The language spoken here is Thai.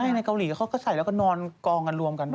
ใช่ในเกาหลีเขาก็ใส่แล้วก็นอนกองกันรวมกันด้วย